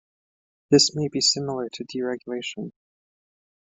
This may be similar to deregulation.